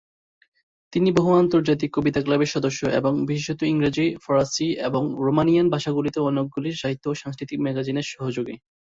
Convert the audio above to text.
তিনি বহু আন্তর্জাতিক কবিতা ক্লাবের সদস্য এবং বিশেষত ইংরাজী, ফরাসী এবং রোমানিয়ান ভাষাগুলিতে অনেকগুলি সাহিত্য ও সাংস্কৃতিক ম্যাগাজিনের সহযোগী।